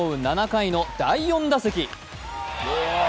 ７回の第４打席。